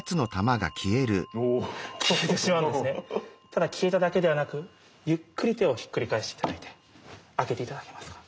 ただ消えただけではなくゆっくり手をひっくり返して頂いて開けて頂けますか？